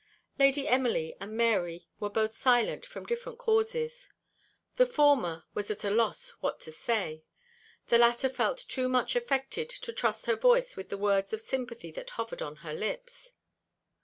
Lady Emily and Mary were both silent from different causes. The former was at a loss what to say the latter felt too much affected to trust her voice with the words of sympathy that hovered on her lips.